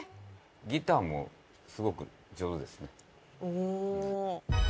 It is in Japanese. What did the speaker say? ギターもすごく上手ですね。